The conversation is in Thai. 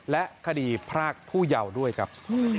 และคดีพรากผู้เยาว์ด้วยครับ